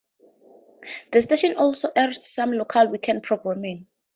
The station also aired some local weekend programming.